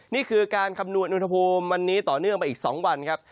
นี่คือการคำนวณอุณหภูมิวันนี้ต่อเนื่องไปอีก๒วันครับ